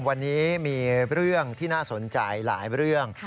วันนี้มีเรื่องที่น่าสนใจหลายเรื่อง